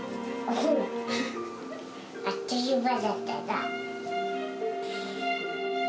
あっという間だったな。